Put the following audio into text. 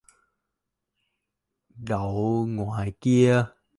Đậu ngoài kia